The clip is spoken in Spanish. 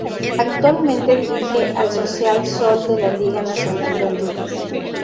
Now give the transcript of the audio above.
Actualmente dirige al Social Sol de la Liga Nacional de Honduras.